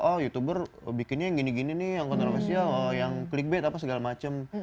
oh youtuber bikinnya yang gini gini nih yang kontroversial yang clickbait apa segala macem